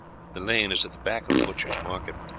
The lane is at the back of the butchers' market.